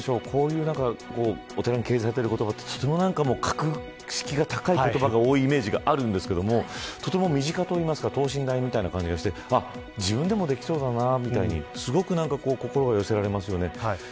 お寺に掲載されている言葉って格式が高い言葉が多いイメージがあるんですけどとても身近と言いますか等身大みたいな感じがして自分でもできそうだなみたいにすごく心が寄せられますよね。